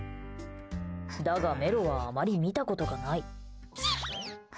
だが、メロはあまり見たことがない。